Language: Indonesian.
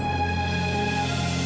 gak ada apa apa